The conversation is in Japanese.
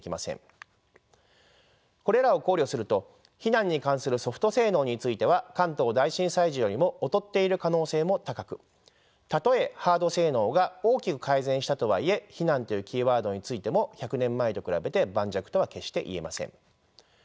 これらを考慮すると避難に関するソフト性能については関東大震災時よりも劣っている可能性も高くたとえハード性能が大きく改善したとはいえ避難というキーワードについても１００年前と比べて盤石とは決していえません。